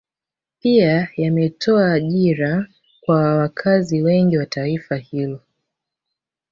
Pia yametoa ajira kwa wakazi wengi wa taifa hilo